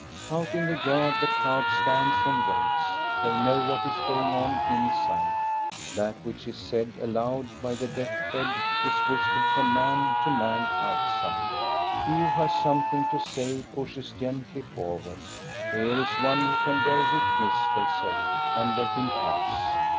Out in the yard the crowd stands and waits. They know what is going on inside: that which is said aloud by the death bed is whispered from man to man outside. He who has something to say pushes gently forward. "Here is one who can bear wit ness," they say, and let him pass.